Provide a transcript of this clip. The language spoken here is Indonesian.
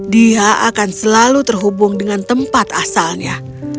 dia akan selalu terhubung dengan tempat asalnya